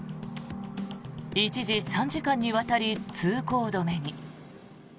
一時、３時間にわたり通行止めに。